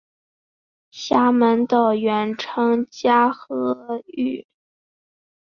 厦门岛原称嘉禾屿。